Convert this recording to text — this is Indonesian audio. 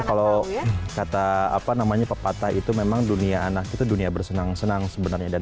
kalau kata apa namanya pepatah itu memang dunia anak itu dunia bersenang senang sebenarnya